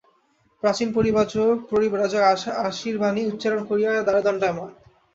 প্রাচীন পরিব্রাজক আশীর্বাণী উচ্চারণ করিয়া দ্বারে দণ্ডায়মান।